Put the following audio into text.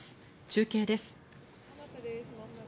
中継です。